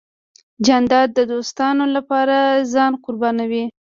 جانداد د دوستانو له پاره ځان قربانوي .